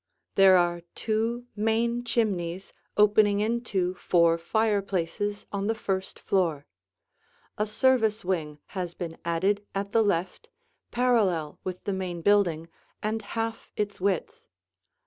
There are two main chimneys opening into four fireplaces on the first floor. A service wing has been added at the left, parallel with the main building, and half its width.